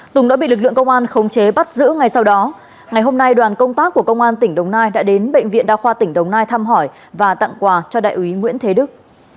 tùng đã bị lực lượng công an khống chế bắt giữ ngay sau đó ngày hôm nay đoàn công tác của công an tỉnh đồng nai đã đến bệnh viện đa khoa tỉnh đồng nai thăm hỏi và tặng quà cho đại úy nguyễn thế đức